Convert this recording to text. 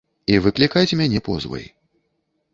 І выклікаць мяне позвай.